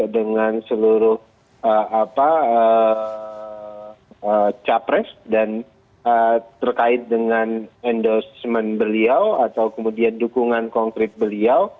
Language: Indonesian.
dengan seluruh capres dan terkait dengan endorsement beliau atau kemudian dukungan konkret beliau